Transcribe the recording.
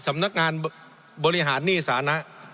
สำนักงานบริหารหนี้สานะ